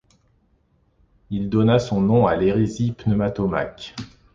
Il donna son nom à l'hérésie pneumatomaque.